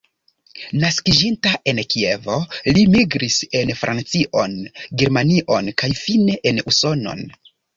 Naskiĝinta en Kievo, li migris en Francion, Germanion kaj fine en Usonon.